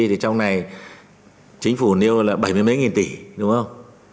trong này chính phủ nêu là bảy mươi mấy nghìn tỷ đúng không